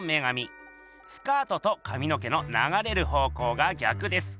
スカートとかみの毛のながれる方向が逆です。